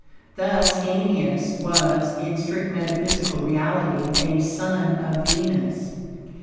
Thus Aeneas was, in strict metaphysical reality, a son of Venus.